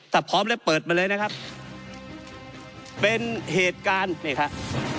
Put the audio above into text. ถ้าพร้อมแล้วเปิดมาเลยนะครับเป็นเหตุการณ์นี่ครับ